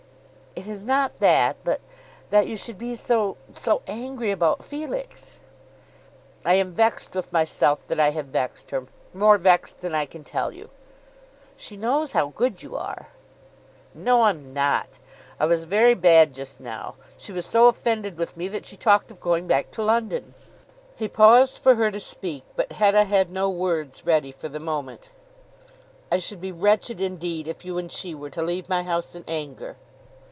"It is not that, but that you should be so, so angry about Felix." "I am vexed with myself that I have vexed her, more vexed than I can tell you." "She knows how good you are." "No, I'm not. I was very bad just now. She was so offended with me that she talked of going back to London." He paused for her to speak, but Hetta had no words ready for the moment. "I should be wretched indeed if you and she were to leave my house in anger."